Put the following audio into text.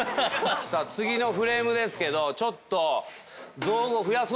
さあ次のフレームですけどちょっと。